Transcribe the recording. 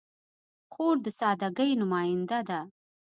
خور د سادګۍ نماینده ده.